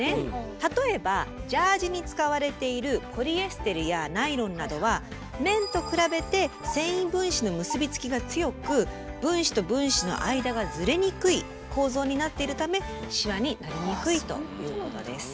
例えばジャージに使われているポリエステルやナイロンなどは綿と比べて繊維分子の結びつきが強く分子と分子の間がズレにくい構造になっているためシワになりにくいということです。